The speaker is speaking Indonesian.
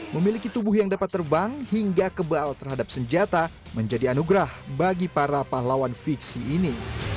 memiliki tubuh yang dapat terbang hingga kebal terhadap senjata menjadi anugerah bagi para pahlawan fiksi ini